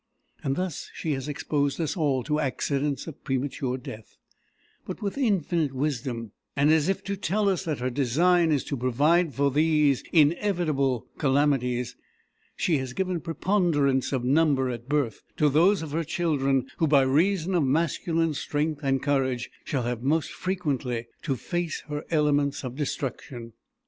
Thus she has exposed us all to accidents of premature death, but, with infinite wisdom, and as if to tell us that her design is to provide for these inevitable calamities, she has given a preponderance of number at birth to those of her children who by reason of masculine strength and courage shall have most frequently to face her elements of destruction.